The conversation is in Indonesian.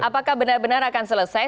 apakah benar benar akan selesai